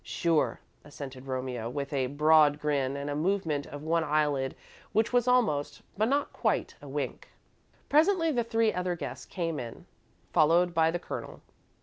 "Sure," assented Romeo, with a broad grin and a movement of one eyelid which was almost but not quite a wink. Presently the three other guests came in, followed by the Colonel.